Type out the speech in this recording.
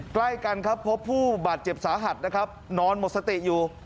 ใกล้กันครับพบผู้บาดเจ็บสาหัสนะครับนอนหมดสติอยู่